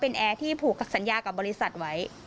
เป็นแอร์ที่ผูกสัญญากับบริษัทไว้